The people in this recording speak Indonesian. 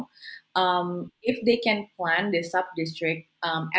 jika mereka bisa menjanjikan subdistrik ini